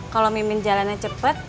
kalau mimin jalannya cepet